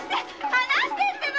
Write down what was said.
離してってば！